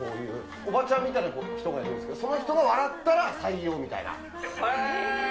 おばちゃんみたいな人がいるんですけど、その人が笑ったら採用みへぇ。